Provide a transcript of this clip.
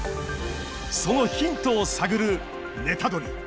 そのヒントを探るネタドリ！